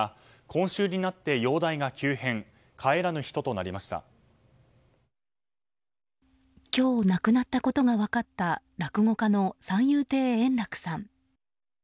今日、亡くなったことが分かった落語家の三遊亭円楽さん。